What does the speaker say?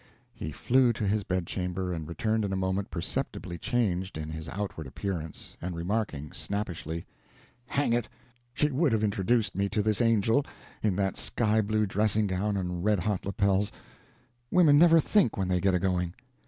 He flew to his bedchamber, and returned in a moment perceptibly changed in his outward appearance, and remarking, snappishly: "Hang it, she would have introduced me to this angel in that sky blue dressing gown with red hot lapels! Women never think, when they get a going."